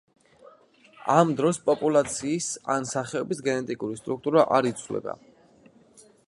ამ დროს პოპულაციის ან სახეობის გენეტიკური სტრუქტურა არ იცვლება.